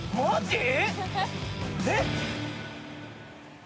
えっ！？